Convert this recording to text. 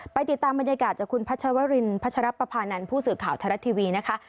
ติดตามบรรยากาศจากคุณพัชวรินพัชรปภานันทร์ผู้สื่อข่าวไทยรัฐทีวีนะคะ